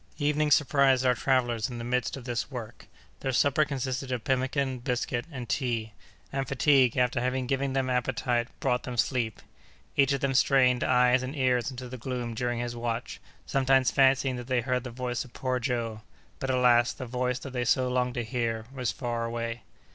Evening surprised our travellers in the midst of this work. Their supper consisted of pemmican, biscuit, and tea; and fatigue, after having given them appetite, brought them sleep. Each of them strained eyes and ears into the gloom during his watch, sometimes fancying that they heard the voice of poor Joe; but, alas! the voice that they so longed to hear, was far away.